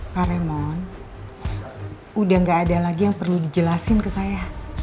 pak remond udah gak ada lagi yang perlu dijelasin ke saya